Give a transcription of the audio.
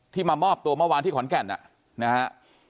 มามอบตัวเมื่อวานที่ขอนแก่นนะฮะ